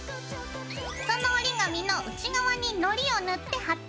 その折り紙の内側にのりを塗って貼ってね。